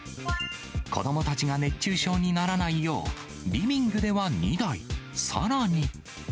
子どもたちが熱中症にならないよう、リビングでは２台、さらに。